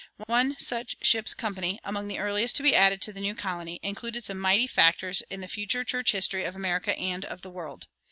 One such ship's company, among the earliest to be added to the new colony, included some mighty factors in the future church history of America and of the world.